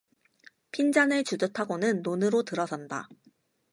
핀잔을 주듯 하고는 논으로 들어선다.